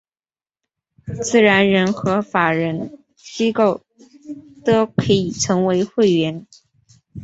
自然人和法人机构都可以成为会员。